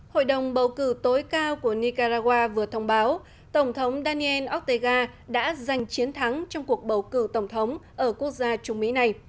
hội đồng bầu cử tối cao của nicaragua vừa thông báo tổng thống daniel otega đã giành chiến thắng trong cuộc bầu cử tổng thống ở quốc gia trung mỹ này